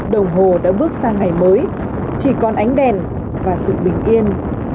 đồng hồ đã bước sang ngày mới chỉ còn ánh đèn và sự bình yên